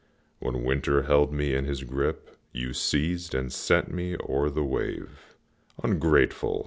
When Winter held me in his grip, You seized and sent me o'er the wave, Ungrateful!